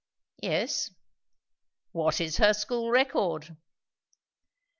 "Yes." "What is her school record?"